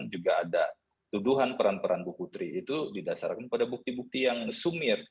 juga ada tuduhan peran peran bu putri itu didasarkan pada bukti bukti yang sumir